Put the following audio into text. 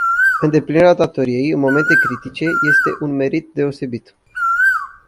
Îndeplinirea datoriei, în momente critice este unmerit deosebit.